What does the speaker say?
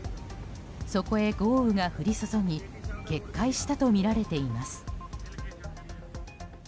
そこへ豪雨が降り注ぎ決壊したとみられています。